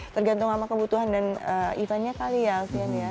tergantung sama kebutuhan dan eventnya kali ya alfian ya